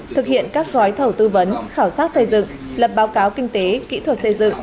thực hiện các gói thầu tư vấn khảo sát xây dựng lập báo cáo kinh tế kỹ thuật xây dựng